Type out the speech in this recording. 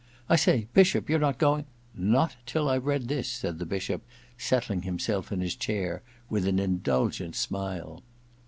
I say. Bishop, you're not going ?' *Not till I've heard this,' said the Bishop, setding himself in his chair with an indulgent smile.